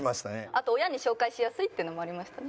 あと親に紹介しやすいってのもありましたね。